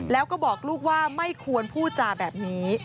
แล้วก็บอกลูกว่าไม่ควรพูดจาแบบนี้